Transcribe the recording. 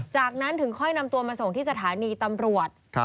จากนั้นถึงค่อยนำตัวมาส่งที่สถานีตำรวจ